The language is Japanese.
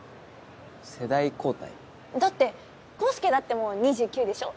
世代交代？だって康介だってもう２９でしょ？